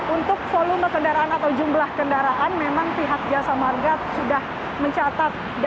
untuk volume kendaraan atau jumlah kendaraan memang pihak jasa marga sudah mencatat